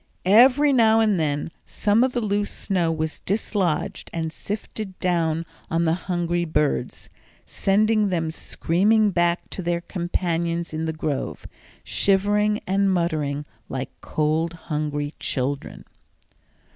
Every now and then some of the loose snow was dislodged and sifted down on the hungry birds, sending them screaming back to their companions in the grove, shivering and muttering like cold, hungry children.